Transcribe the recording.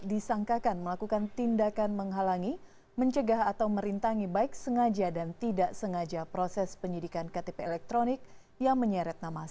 disangkakan melakukan tindakan menghalangi mencegah atau merintangi baik sengaja dan tidak sengaja proses penyidikan ktp elektronik yang menyeret nama kpk